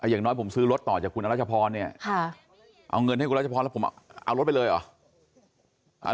อย่างน้อยผมซื้อรถต่อจากคุณอรัชพรเนี่ยเอาเงินให้คุณรัชพรแล้วผมเอารถไปเลยเหรอ